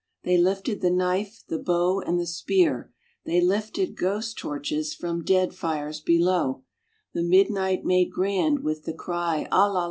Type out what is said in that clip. They lifted the knife, the bow, and the spear, They lifted ghost torches from dead fires below, The midnight made grand with the cry "A la la."